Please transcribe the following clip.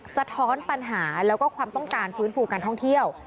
สะท้อนปัญหาแล้วก็ความต้องการฟื้นฟูการท่องเที่ยว